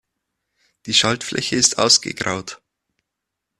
Die Schaltfläche ist ausgegraut.